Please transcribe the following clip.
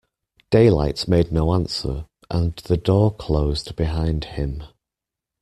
Daylight made no answer, and the door closed behind him.